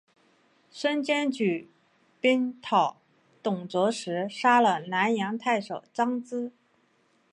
孙坚举兵讨董卓时杀了南阳太守张咨。